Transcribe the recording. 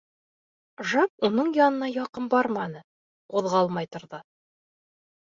Жак уның янына яҡын барманы, ҡуҙғалмай торҙо.